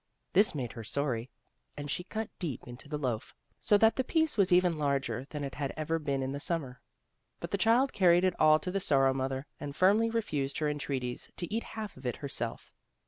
This made her sorry, and she cut deep into the loaf, so that the piece was even larger than it had ever been in the Summer. But the child carried it all to the Sorrow mother and firmly refused her entreaties to eat half of it herself.